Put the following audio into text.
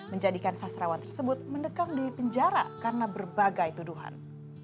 menjadikan sastrawan tersebut mendekam di penjara karena berbagai tuduhan